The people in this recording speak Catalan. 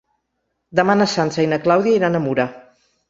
Demà na Sança i na Clàudia iran a Mura.